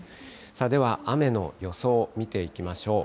では、雨の予想を見ていきましょう。